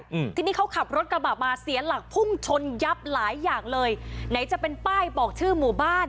อืมทีนี้เขาขับรถกระบะมาเสียหลักพุ่งชนยับหลายอย่างเลยไหนจะเป็นป้ายบอกชื่อหมู่บ้าน